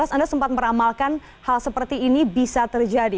anda sempat meramalkan hal seperti ini bisa terjadi